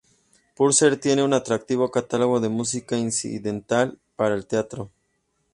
Purcell tiene un atractivo catálogo de música incidental para el teatro.